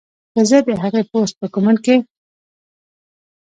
کۀ زۀ د هغې پوسټ پۀ کمنټ کښې